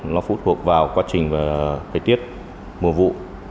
nó phụ thuộc vào quá trình thời tiết mùa vụ